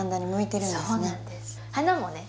花もね